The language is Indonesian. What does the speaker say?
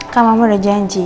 kak mama udah janji